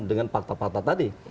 dengan fakta fakta tadi